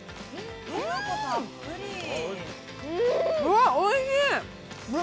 ◆うわっ、おいしい！